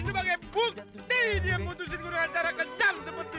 sebagai bukti dia putuskan gue dengan cara kencang seperti itu